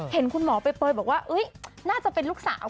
เห็นคุณหมอเปลยบอกว่าน่าจะเป็นลูกสาว